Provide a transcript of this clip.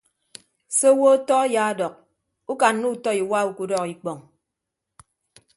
Se owo ọtọ ayaadọk ukanna utọ iwa ukudọk ikpọñ.